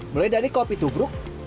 mulai dari kopi tubruk